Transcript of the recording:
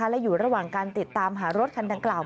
และอยู่ระหว่างการติดตามหารถคันดังกล่าว